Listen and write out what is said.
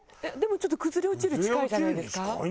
でもちょっと「崩れ落ちる」近いんじゃないですか？